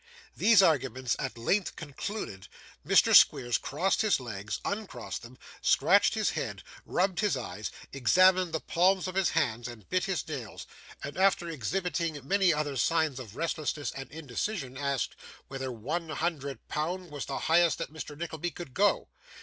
These arguments at length concluded, Mr. Squeers crossed his legs, uncrossed them, scratched his head, rubbed his eye, examined the palms of his hands, and bit his nails, and after exhibiting many other signs of restlessness and indecision, asked 'whether one hundred pound was the highest that Mr. Nickleby could go.